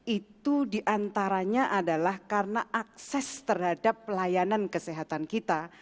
itu diantaranya adalah karena akses terhadap pelayanan kesehatan kita